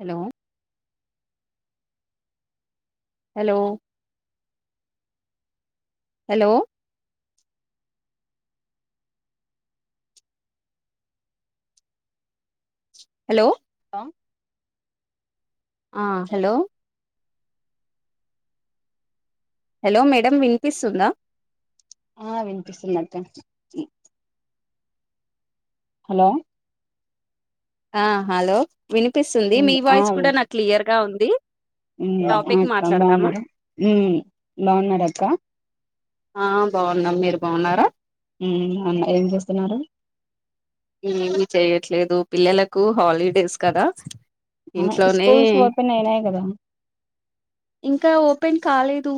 Hello hello hello hello లో ఆ hello hello madam వినిపిస్తుందా ఆ వినిపిస్తుంది అక్క హలో ఆ హలో వినిపిస్తుంది మీ వాయిస్ కూడా నాకు క్లియర్ గా ఉంది మ్ టాపిక్ అక్క మాట్లాడదామా బాగున్నార మ్ బాగున్నార అక్క ఆ బాగున్నం మీరు బాగున్నారా మ్ బాగున్నా ఏం చేస్తున్నారు ఏమి చెయట్లేదు పిల్లలకు హాలిడేస్ కదా ఆ ఇంట్లోనే స్కూల్స్ ఓపెన్ అయినాయి కదా ఇంకా ఓపెన్ కాలేదు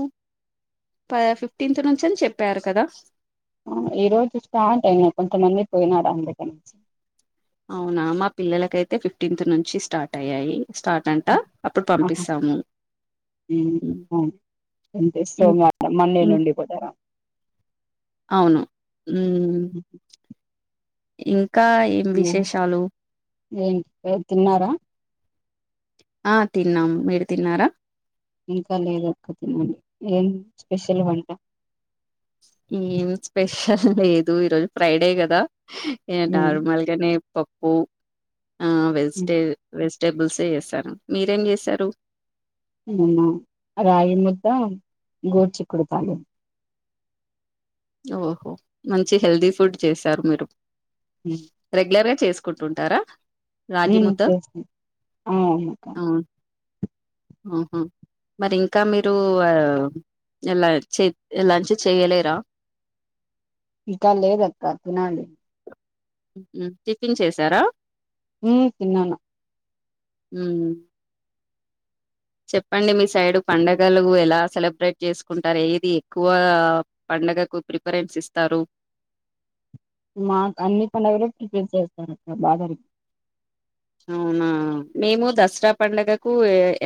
ప ఫిఫ్టీన్త్ నుంచేని చెప్పారు కదా ఈ రోజు స్టార్ట్ అయినా కొంతమంది పోయినారు అందుకనుంచి అవునా మా పిల్లలకైతే ఫిఫ్టీన్త్ నుంచి స్టార్ట్ అయ్యాయి స్టార్ ంట అప్పుడు పంపిస్తాము మ్ ఆ అంటే ఇం సోమవారం మండే ఇం నుండి పోతారా అవును మ్ ఇంకా ఏం ఉమ్ విశేషాలు ఏంటి తిన్నారా ఆ తిన్నాము మీరు తిన్నారా ఇంకా లేదక్క తినలీ ఏం స్పెషల్ వంట ఏం స్పెషల్ లేదు ఈరోజు ఫ్రైడే కదా ఉమ్ నార్మల్ గనే పప్పు ఆ వెజిటే వెజిటేబుల్స్ే చేస్తాను మీరేం చేశారు నినా రాగి ముద్ద గోడ్చిక్ క్కుడుకాయే ఓహో మంచి హెల్దీ ఫుడ్ చేశారు మీరు ఉమ్ రెగ్యులర్ గా చేసుకుంటుంటారా రాగి ఉమ్ ముద్ద చేస్తాం అవునక్క అ ఆహా మరి ఇంకా మీరు ఎలా ఎలాంచ్ చేయలేరా ఇంకా లేదక్క తినాలి టిఫిన్ చేసారా మ్ తిన్నను మ్మ్ చెప్పండి మీ సైడు పండగలు ఎలా సెలబ్రేట్ చేసుకుంటారు ఏది ఎక్కువగా పండుగకు ప్రిఫరెన్స్ ఇస్తారు మాక్ అన్ని పండుగలు ప్రిపేర్ చేస్తారు అక్క బాగా అవునా మేము దసరా పండుగకు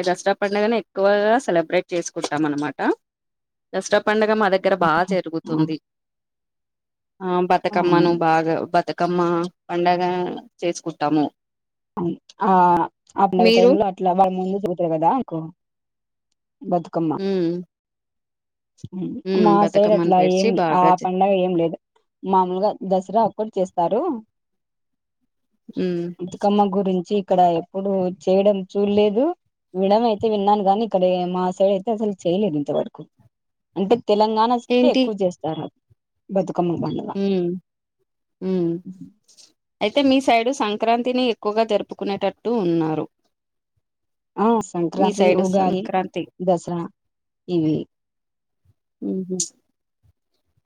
దసరా పండుగనే ఎక్కువగా సెలబ్రేట్ చేసుకుంటాం అనమాట దసరా పండగ మాద దగ్గర బాగా జరుగుతుంది ఆ అవును బతుకమ్మను బాగా బతుకమ్మ పండగ చేసుకుంటాము ఆ అప్పన మీరు టైమ్ లో అట్లా వాళ్ళ ముందు చూతారు కదా అంకు బతుక్ ఉమ్ ఉమ్ మా సైడ్ బతుకమ్మని అట్లా పేర్చి ఏం ఆ బాగా చే- పండగ ఏం లేదు మామూలుగా దసరా ఒక్కటి చేస్తారు ఉమ్ బతుకమ్మ గురించి ఇక్కడ ఎప్పుడు చేయడం చూడ్లేదు విడం అయితే విన్నాను గాని ఇక్కడ మా సైడ్ అయితే అసలు చేయ్లేదు ఇంతవరకు అంటే తెలంగాణ సై ఏంటి ఎక్కువ చేస్త సర బతుకమ్మ బం ఉమ్ ఉమ్ అయితే మీ సైడు సంక్రాంతిని ఎక్కువగా జరుపుకునేటట్టు ఉన్నారు ఆ మీ సంక్రాంతి, సైడు ఉగాలి, సంక్రాంతి దస్రా ఇవి ఊహు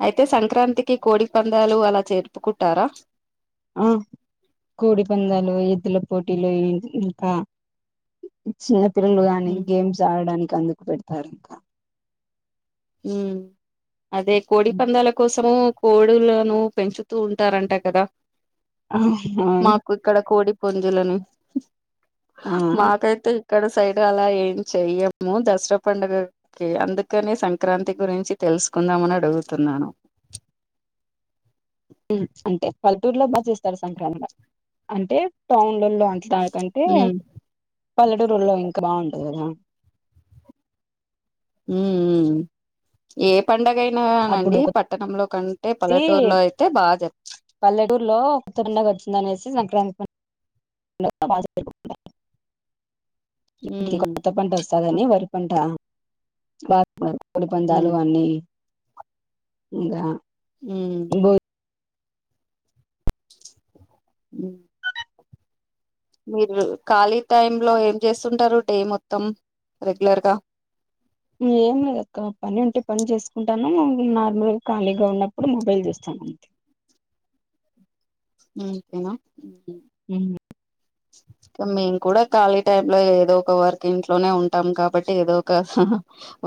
అయితే సంక్రాంతికి కోడి పందేలు అలా జరుపుకుంటారా ఆ కోడి పందేలు, ఎద్దుల పోటీలు, ఇం ఇంకా చిన్నపిల్లలు గాని ఉమ్ గేమ్స్ ఆడడానికి అందుకు పెడతారు ఇంకా ఉమ్ అదే కోడి పందేల కోసము కోడులను పెంచుతూ ఉంటారంట కదా ఆ అవును మాకు ఇక్కడ కోడి పుంజులని ఆ మాకైతే అక్కడ సైడ్ అలా ఏం చెయ్యము దస్రా పండుగకి అందుకనే సం క్రాంతి గురించి తెలుసుకుందాం అని అడుగుతున్నాను అంటే పల్లెటూరులో బాగా చేస్తారు సంక్రాంతి అంటే టౌన్ల లో అట్లా కంటే ఉమ్ పల్లెటూర్లలో ఇంకా బాగుంటది కదా ఊ ఉ ఏ పండగ అప్పుడు అయినానండి పట్టణంలో కంటే పల్లెటూర్లో అయితే బాగా జప్ ప్చ్ పల్లెటూర్లో కొత్తపండగ వచ్చిందనేసి సంక్రాంతి పం [unintelligible] ఇంటికి ఉమ్ కొత్త పంట సదని వరి పంట ఉమ్ కోడిపందాలు అన్నీ ఇంగా ఉమ్ బో ఉమ్ మీరు ఖాళీ టైమ్ లో ఏం చేస్తుంటారు డే మొత్తం రెగ్యులర్ గా ఏం లేదుక్కా పని ఉంటే పని చేసుకుంటాను నార్మల్ గా ఖాళీగా ఉన్నప్పుడు మొబైల్ చూస్తాను అంతే అంతేనా ఊహు మ్మ్ ఇక మేము కూడా ఖాళీ టైమ్ లో ఏదో ఒక వర్క్ ఇంట్లోనే ఉంటాం కాబట్టి ఏదో ఒక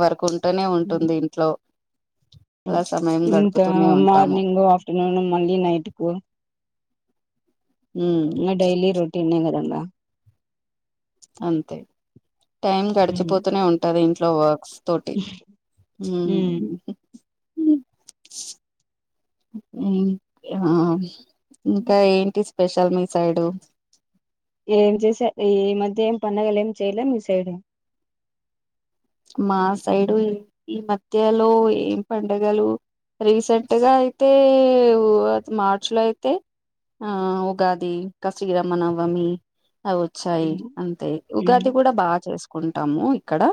వర్కు ఉంటానే ఉంటుంది ఇంట్లో అలా సమయం ఇంకా గడుపుతూనే ఉంటాము మార్నింగ్, ఆఫ్టర్నూన్, మళ్ళీ నైట్ కు మ్ డెయిలీ రొటీనె కదా అట్లా. అంతె, టైమ్ ఉమ్. గడిచిపోతూనే ఉంటది, ఇంట్లో వర్క్స్. తోటి. మ్ ఆ ఇంకా ఏంటి స్పెషల్ మీ సైడు. ఏం చేసా, ఎ ఈ మధ్య ఏం పండగలు ఏం చేయలే, మీ సైడ్. మా సైడు, ఈ మధ్యలో ఏం పండగలు. రీసెంటుగా అయితే ఉ మార్చ్ లో అయితే. ఆ ఉగాది, ఇంక శ్రీరామనవమి, అవొ వొచ్చాయి అంతే. ఉగాది కూడ బా చేసుకుంటాము ఇక్కడ.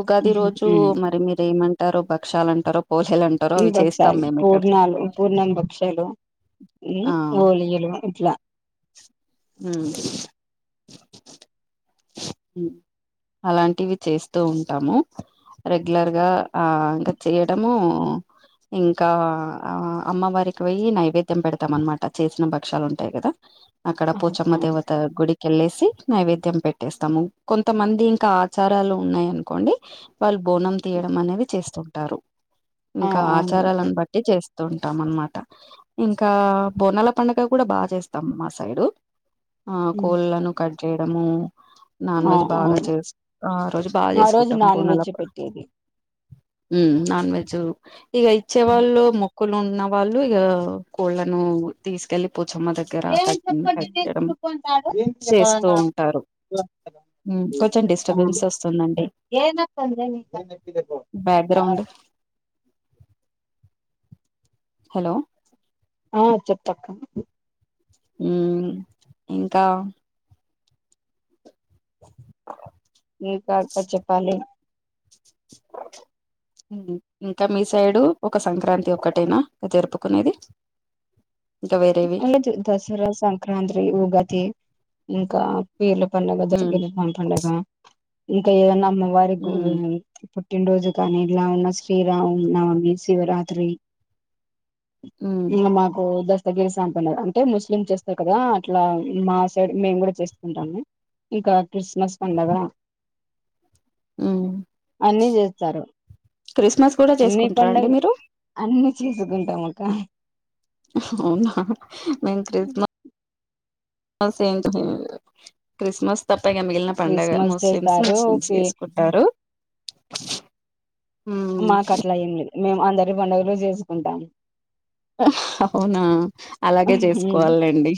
ఉగాది రోజు మరి మీరు ఏమంటారొ, భక్షాలు అంటారొ, పోలేలు అంటారొ, ఉ బక్షాలు, పూర్ణాలు, పూర్ణం భక్షలు, హ్మ్ హోలీయలు ఇట్లా. మ్ హు మ్ అలాంటివి చేస్తూ ఉంటాము. రెగ్యులర్ గా ఆ ఇంకా చెయటము ఉ, ఇంకా ఆ అమ్మవారికి వొయి, నైవేద్యం పెడతాం, అనమాట. చేసిన భక్షలు ఉంటాయి కదా. అక్కడ ఆ పోచమ్మ దేవత గుడి. కెళ్లేసి నైవేద్యం పెట్టేస్తాము. కొంతమంది ఇంకా ఆచారాలు ఉన్నాయి అనుకోండి. వాళ్ళు బోనం తీయడం అనేవి చేస్తుంటారు. ఇంకా అవును ఆచారాలను బట్టి, చేస్తుూంటాం అనమాట. ఇంకా బోనాల పండుగ కూడా బాగా చేస్తాం మా సైడు. అ ఉమ్. కోళ్లను కట్ చేయడము. నాన్ ఆ వెజ్ బాగా అవును చేసి, ఆ రోజు బాగా ఆ రోజు చేసుకుంటాం నాన్ వెజ్ పండుగ. పెట్టేది మ్ నాన్ వెజు, ఇక ఇచ్చే ఉమ్. వాళ్ళు ము క్కోల్లను ఉన్న వాళ్ళు ఇక, కోళ్ళను తీసుకెళ్ళి పోచొమ్మ దగ్గ దగ్గర ఏం కని చెప్పండి నేను కట్టడం, చినుకుంటాడు చేస్తూ ఉంటారు. కొంచెం డిస్టర్బెన్సెస్ వస్తుందండి. ఏనా బ్యాక్ గ్రౌండ్. హలో ఆ చెప్త అక్క. మ్ ఇంకా. క ఇంకా అక్క చెప్పాలి. ప్చ్ ఇంకా మీ సైడు, ఒక సంక్రాంతి ఒకటేనా, జరుపుకునేది. ఇంకా వేరేవి అన్ని జరుగుతది దసరా, సంక్రాంతి, ఉగాది, ఇంకా పీర్ల పండుగ, ఉమ్ [unintelligible] పండగ, ఇంకా ఏదన్నా అమ్మ వారికి ఉమ్ ఈ పుట్టినరోజు కాని, ఇలా ఉన్న శ్రీరామనవమి, శివరాత్రి, ఉమ్ ఇంగ మాకు ద తగిసాం పండగ అంటే ముస్లిం చేస్తారు కదా అట్లా మా సైడ్ మేము కూడా చేసుకుంటాము. ఇంకా క్రిస్మస్ పండగ. ట్ మ్ అన్ని చేస్తారు క్రిస్మస్ కూడ చేసుకుంటరా అండి మీరు. అన్నీ చేసుకుంటాము అక్క. హహ్హ్హ అవునా మేమ్ క్రస్మస్ సేమ్ క్రిస్మస్ తప్ప ఇక మిగిలిన పండగ క్రిస్మస్ ముస్లిమ్స్ చేస్తారు ముస్లిమ్స్ పి కేసుకుంటర్. టారు మాకు అట్లా ఏమి లేదు మేము అందరి పండుగలు చేసుకుంటాము అవునా అలాగే హ్మ్ చేసుకోవాలేండి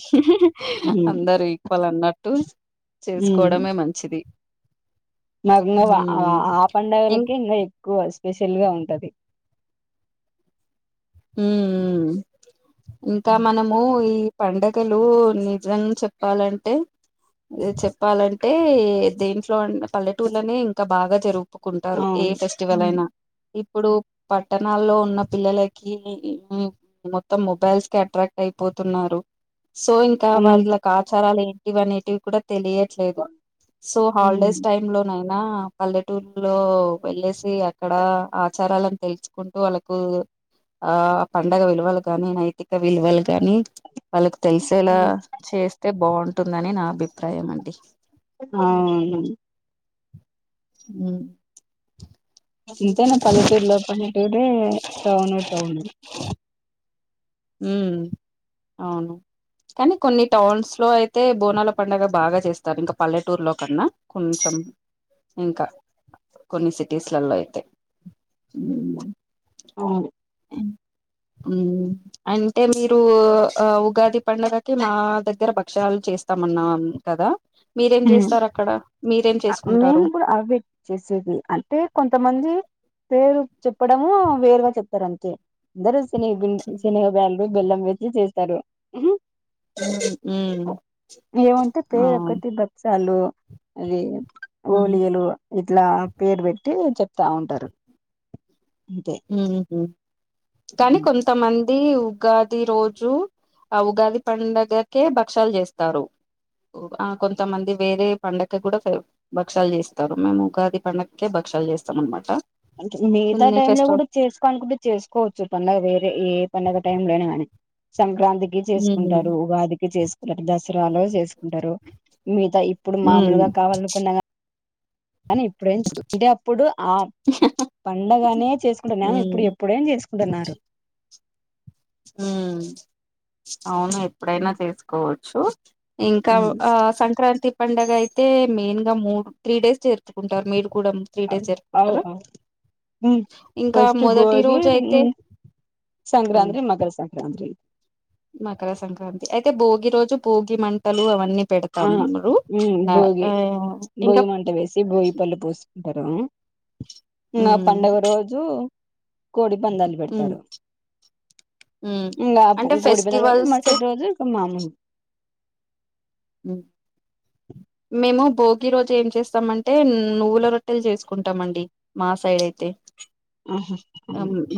హ్మ్ అందరు ఈక్వల్ అన్నట్ ట్టు హ్మ్ చేసుకోవడమే మంచిది మాకు ఇంకా ఉమ్ ఆ పండగలకే ఇంకా ఎక్కువ స్పెషల్గ ఉంటది ఉ ఇంకా మనం ము ఈ పండగలు నిజం చెప్పాలంటే చెప్పాలంటే దేంట్లో పల్లెటూళ్లనే ఇంకా బాగా జరుగు పుకుంటారు ఏ అవును ఫెస్టివల్ హ్మ్ అయినా ఇప్పుడు పట్టణాల్లో ఉన్న పిల్లల కీ మొత్తం మొబైల్స్కే అట్రాక్ట్ అయిపోతున్నారు సో ఇం ఇంకా అంత్ వాళ్ళకి ఆచారాలు ఏంటివి అనేటివి కూడా తెలియట్లేదు సో హ్మ్ హాలిడేస్ టైమ్ లో నైనా పల్లెటూరులో వెళ్ళేసి అక్కడ ఆచారాలని తెలుసుకుంటూ వాళ్ళకు ఆ పండగ విలువలు గాని నైతిక విలువలు గాని వాళ్ళకు తెలిసేలా హ్మ్ చేస్తే బాగుంటుందని నా అభిప్రాయం అండి అవును ఉమ్ ఎంతైనా పల్లెటూరులో పల్లెటూరే టౌను టౌనే ఉ అవును కానీ కొన్ని టౌన్స్ లో అయితే బోనాల పండగ బాగా చేస్తారు ఇంకా పల్లెటూర్లో కన్నా కొంచెం ఇంకా కొన్ని సిటీస్లలో అయితే ఉమ్ అవును ఉమ్ అంటే మీరు ఆ ఉగాది పండగకి మా దగ్గర భక్ష్యాలు చేస్తామన్నా కదా మీరేం హ్మ్. చేస్తారు అక్కడ మీరేం చేసుకుంటారు అవి చేసేది అంటే కొంతమంది పేరు చెప్పడము వేరుగా చెప్తారు అంతే అందరు శనగపిం శనిగ పాలు బెల్లం వేసి చేస్తారు ఉమ్ ఏమంటే ఆ పేరొకటి భక్షాలు అది ఉమ్ గోలీలు ఇట్లా పేరు పెట్టి చెప్తా ఉంటరు ఉహు కానీ ఉమ్. కొంతమంది ఉగాది రోజు ఆ ఉగాది పండగకే భక్ష్యాలు చేస్తారు ఆ కొంతమంది వేరే పండగకి కూడా ఫేవ భక్ష్యాలు చేస్తారు మేము ఉగాది పండగకే భక్ష్యాలు చేస్తాం అనమాట అంటే మి మిగితా కొన్ని టైమ్ లో ఫెస్టివల్ కూడా చేసుకో అనుకుంటే చేసుకోవచ్చు పంండగ వేరే ఏ పండుగ టైమ్లో అయినా కానీ సంక్రాంతి ఉమ్ చేసుకుంటారు ఉగాదికి చేసుకు దసరాలో చేసుకుంటారు మిగతా ఇప్పుడు ఉమ్ మామూలుగా కావాలనుకున్నా కానీ ఇప్పుడేంటే అప్పుడు ఆ పండగనే చేసుకుంటా మేము ఇప్పుడు ఇప్పుడేం చేసుకుంటున్నారు హ్మ్ అవును ఎప్పుడైనా చేసుకోవచ్చు ఇంకా ఆ సంక్రాంతి పండుగ అయితే మెయిన్ గా మూడు త్రీ డేస్ జరుపుకుంటారు మీరు కూడ త్రీ డేస్ అవు జరుపుకుంటారా ఇంకా ఫస్ట్ మొదటి భోగి రోజు అయితే ఉమ్ సంక్రాంతి మకర సంక్రాంతి మకర సంక్రాంతి అయితే భోగి రోజు భోగి మంటలు అవన్నీ పెడతా ఆ ఉమ్మ్ భోగి ఇంకా భోగి మంట వేసి భోగిపళ్ళు పోసి కుంటారు ఇంకా ఆ ఉమ్ పండుగ రోజు కోడి పందాలు ఉమ్ పెడతారు ఉమ్ ఇంకా అంటే గోడి పందాలు పెడతరు ఫెస్టివల్స్ మరుసటి రోజు మామూలు ఉమ్మ్ మేము భోగి రోజు ఏం చేస్తామంటే నువ్వుల రొట్టెలు చేసుకుంటం అండి మా సైడ్ అయితే ఆహా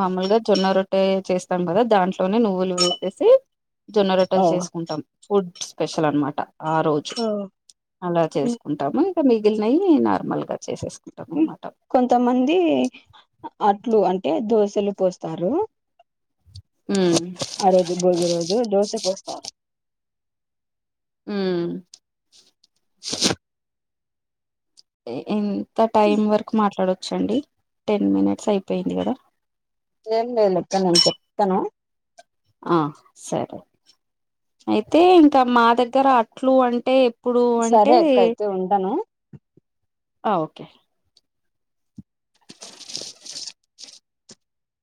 మాముూలుగా జొన్న రొట్టె చేస్తాం కదా దాంట్లోనే నువ్వులు వేసేసి జొన్న ఓ రొట్టలు చేసుకుంటాం ఫుడ్ స్పెషల్ అనమాట ఆ రోజు అలా చేసుకుంటాము మిగిలినయి నార్మల్ గా చేసేసుకుంటాం అన్నమాట కొంతమంది అట్లు అంటే దోశలు పోస్తారు ఉమ్మ్ ఆ రోజు భోగి రోజు దోస పోస్తారు మ్మ్ ఎంత టైం వరకు మాట్లాడోచ్చండి టెన్ మినిట్స్ అయిపోయింది కదా ఏం లేదులే అక్క నేను చెప్తాను ఆ సరే అయితే ఇంకా మా దగ్గర అట్లు అంటే ఇప్పుడు అంటే ఉంటను ఆ ఓకే